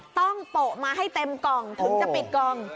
โปะมาให้เต็มกล่องถึงจะปิดกล่อง